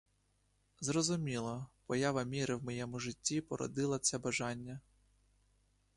Зрозуміло: поява міри в моєму житті породила це бажання.